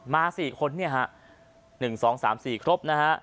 มา๔คน๑๒๓๔ครบ